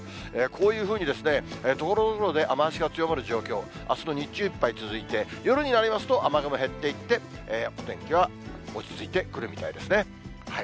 こういうふうに、ところどころで雨足が強まる状況、あすの日中いっぱい続いて、夜になりますと、雨雲減っていって、お天気は落ち着いてくるみたいですね。